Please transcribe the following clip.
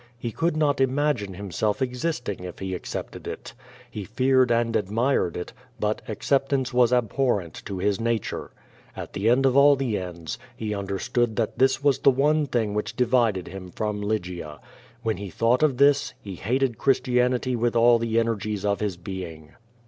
He could not imagine himself existing if he accepted it. He feared and admired it, but acceptance was abhorrent to his nature. At the end of all the ends, he understood that this was the one thing which divided him from Lygia. Wlicn he thought of this he hated Christianity with all the energies of his being.